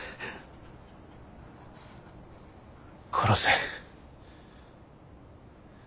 殺せ。